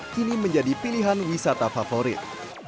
kini menjadi pilihan wisata favorit